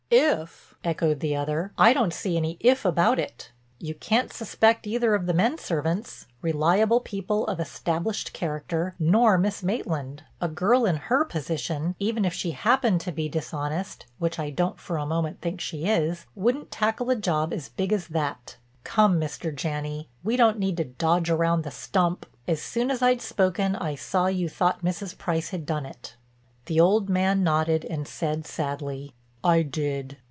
"If!" echoed the other. "I don't see any if about it. You can't suspect either of the men servants—reliable people of established character—nor Miss Maitland. A girl in her position—even if she happened to be dishonest, which I don't for a moment think she is—wouldn't tackle a job as big as that. Come, Mr. Janney, we don't need to dodge around the stump. As soon as I'd spoken I saw you thought Mrs. Price had done it." The old man nodded and said sadly: "I did."